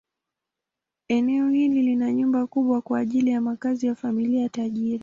Eneo hili lina nyumba kubwa kwa ajili ya makazi ya familia tajiri.